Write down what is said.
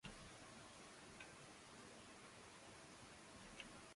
Quants n'hi ha d'estudiants que no estudien ni matemàtiques ni física?